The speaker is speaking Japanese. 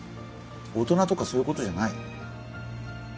大人とかそういうことじゃない。